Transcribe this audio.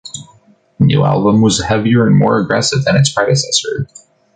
The new album was heavier and more aggressive than its predecessor.